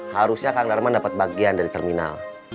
harusnya kang darman dapat bagian dari terminal